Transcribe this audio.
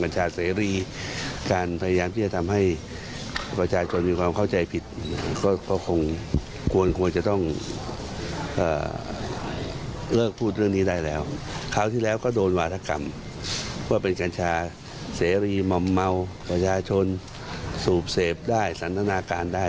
จุดประมาณเหนือการแสนตนาการได้